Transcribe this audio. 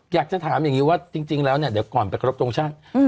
อยากจะถามอย่างนี้ว่าจริงแล้วเนี่ยเดี๋ยวก่อนไปครบทรงชาติ